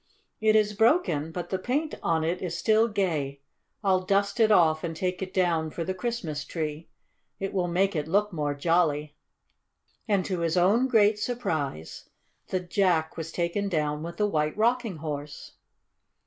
It is broken, but the paint on it is still gay. I'll dust it off and take it down for the Christmas tree. It will make it look more jolly." And to his own great surprise the Jack was taken down with the White Rocking Horse.